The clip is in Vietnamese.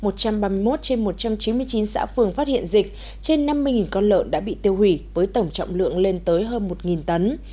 một trăm ba mươi một trên một trăm chín mươi chín xã phường phát hiện dịch trên năm mươi con lợn đã bị tiêu hủy với tổng trọng lượng lên tới hơn một tấn